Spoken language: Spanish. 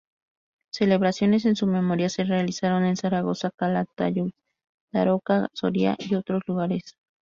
Celebraciones en su memoria se realizaron en Zaragoza, Calatayud, Daroca, Soria y otros lugares.